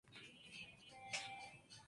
El segundo nivel lo forma la EuroCup.